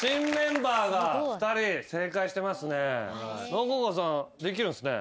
中川さんできるんすね。